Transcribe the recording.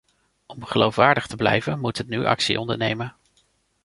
Om geloofwaardig te blijven moet het nu actie ondernemen.